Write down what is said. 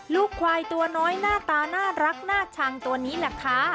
ลูกควายตัวน้อยหน้าตาน่ารักน่าชังตัวนี้แหละค่ะ